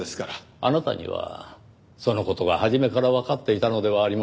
あなたにはその事が初めからわかっていたのではありませんか？